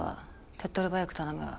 手っとり早く頼むわ。